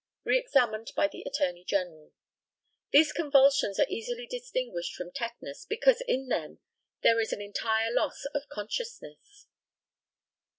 Re examined by the ATTORNEY GENERAL: These convulsions are easily distinguished from tetanus, because in them there is an entire loss of consciousness.